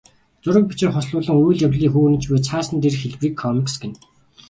Зураг, бичвэр хослуулан үйл явдлыг хүүрнэж буй цаасан дээрх хэлбэрийг комикс гэнэ.